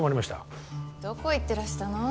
どこ行ってらしたの？